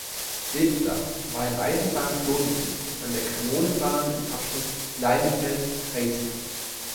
Schwebda war ein Eisenbahnknotenpunkt an der Kanonenbahn im Abschnitt Leinefelde–Treysa.